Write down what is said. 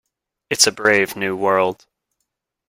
It's a brave new world.